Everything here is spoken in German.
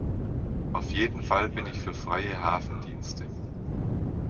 Auf jeden Fall bin ich für freie Hafendienste.